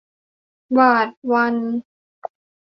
บาทวัน